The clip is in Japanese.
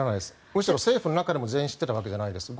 むしろ政府の中でも全員知っていたわけではないですね。